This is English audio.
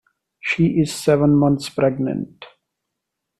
She is seven months pregnant.